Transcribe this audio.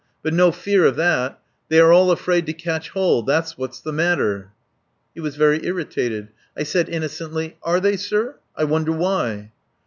But no fear of that. They are all afraid to catch hold. That's what's the matter." He was very irritated. I said innocently: "Are they, sir. I wonder why?"